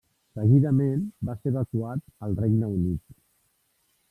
Seguidament va ser evacuat al Regne Unit.